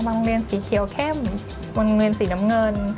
ไปโรงเรียนสีเขียวเข้มไปโรงเรียนสีน้ำเงิน